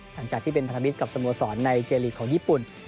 หลังจากที่เป็นพันธมิตรกับสโมสรในเจลีกของญี่ปุ่น